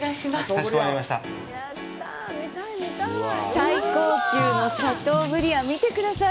最高級のシャトーブリアン見てください！